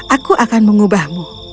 aku akan mengubahmu